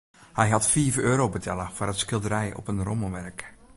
Hy hat fiif euro betelle foar it skilderij op in rommelmerk.